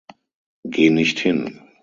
Geh nicht hin.